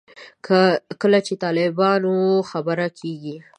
کله چې د طالبانو خبره کېږي.